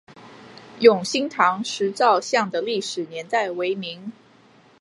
永兴堂石造像的历史年代为明。